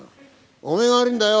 お前が悪いんだよ！